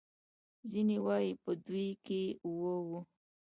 ځینې وايي په دوی کې اوه وو.